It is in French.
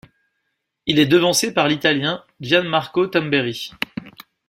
Il est devancé par l'Italien Gianmarco Tamberi.